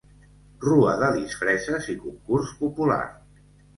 Rua de disfresses i concurs popular.